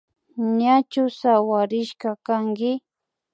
Ñachu sawarishka kanki